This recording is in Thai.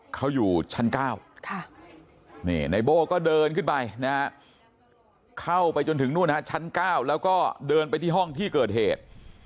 เขาอยู่ชั้น๙ในโบ้ก็เดินขึ้นไปนะฮะเข้าไปจนถึงนู่นฮะชั้น๙แล้วก็เดินไปที่ห้องที่เกิดเหตุ